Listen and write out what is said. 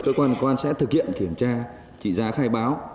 cơ quan hành quan sẽ thực hiện kiểm tra trị giá khai báo